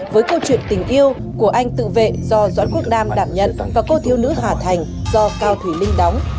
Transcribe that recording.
với câu chuyện tình yêu của anh tự vệ do doãn quốc đam đạm nhận và cô thiêu nữ hà thành do cao thủy linh đóng